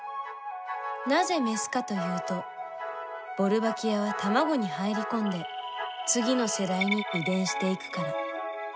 なぜメスかというとボルバキアは卵に入り込んで次の世代に遺伝していくから。